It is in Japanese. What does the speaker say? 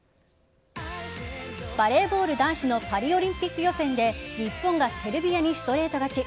バレーボール男子のパリオリンピック予選で日本がセルビアにストレート勝ち。